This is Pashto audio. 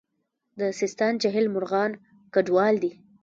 د سیستان جهیل مرغان کډوال دي